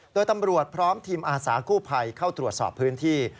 โดยตำรวจพร้อมทีมอาสากู้ภัยเข้าตรวจสอบพื้นที่